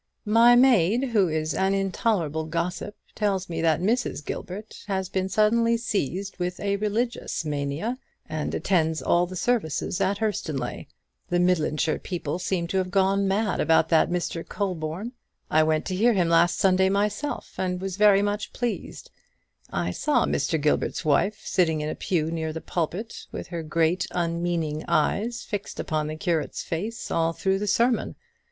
My maid, who is an intolerable gossip, tells me that Mrs. Gilbert has been suddenly seized with a religions mania, and attends all the services at Hurstonleigh. The Midlandshire people seem to have gone mad about that Mr. Colborne. I went to hear him last Sunday myself, and was very much pleased. I saw Mr. Gilbert's wife sitting in a pew near the pulpit, with her great unmeaning eyes fixed upon the curate's face all through the sermon.